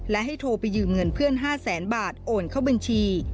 และให้โทรไปยืมเงินเพื่อน๕แสนบาทโอนเข้าบัญชี